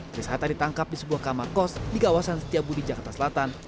chris hatta ditangkap di sebuah kamar kos di kawasan setiabudi jakarta selatan